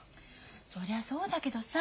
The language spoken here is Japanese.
そりゃそうだけどさ。